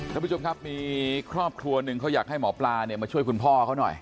ท่านผู้ชมครับมีครอบครัวหนึ่งเขาอยากให้หมอปลาเนี่ยมาช่วยคุณพ่อเขาหน่อย